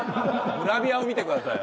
グラビアを見てくださいよ。